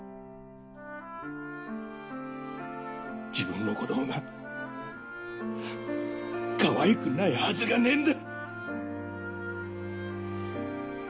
自分の子供がかわいくないはずがねえんだ！